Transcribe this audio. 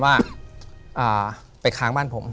ถูกต้องไหมครับถูกต้องไหมครับ